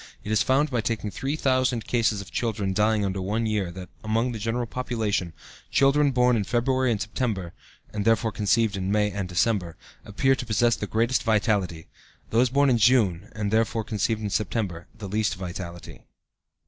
It is found by taking 3000 cases of children dying under one year that, among the general population, children born in February and September (and therefore conceived in May and December) appear to possess the greatest vitality, and those born in June, and, therefore, conceived in September, the least vitality.